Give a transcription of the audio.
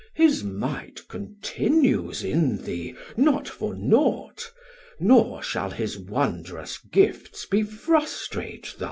His might continues in thee not for naught, Nor shall his wondrous gifts be frustrate thus.